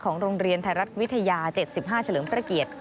โรงเรียนไทยรัฐวิทยา๗๕เฉลิมพระเกียรติ